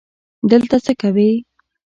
دلته څه کوې؟